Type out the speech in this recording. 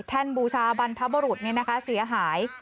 แท่นบูชาบรรพบรุษนี้นะคะเสียหาย